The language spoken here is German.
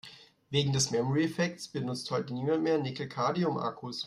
Wegen des Memory-Effekts benutzt heute niemand mehr Nickel-Cadmium-Akkus.